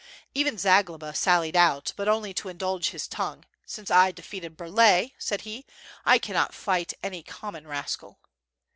Even Zagloba sallied out, but only to indulge his tongue: "Since I defeated Burlay,'' said he, "I cannot fight any com mon rascal."